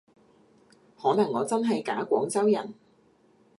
可能我真係假廣州人